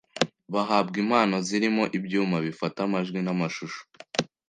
bahabwa impano zirimo ibyuma bifata amajwi n'amashusho,